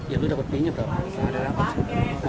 ya lu dapet pinya berapa